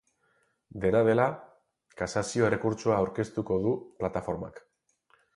Dena dela, kasazio errekurtsoa aurkeztuko du plataformak.